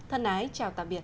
thân ái chào tạm biệt